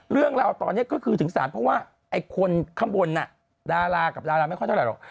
เรื่องราวตอนนี้ก็คือถึงศาลเพราะว่าไอ้คนข้างบนดารากับดาราไม่ค่อยเท่าไหรหรอก